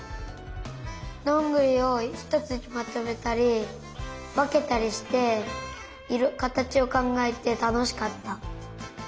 どんぐりをひとつにまとめたりわけたりしてかたちをかんがえてたのしかった。